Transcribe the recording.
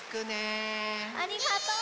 ありがとう！